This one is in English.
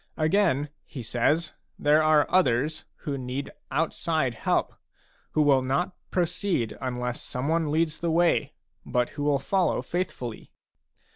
Again, he says, there are others who need outside help, who will not proceed unless someone leads the way, but who will follow faithfully.